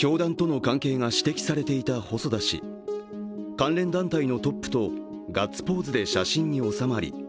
関連団体のトップとガッツポーズで写真に収まり